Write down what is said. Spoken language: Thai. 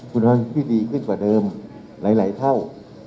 คุณพ่อชีวิตดีขึ้นกว่าเดิมหลายเท่า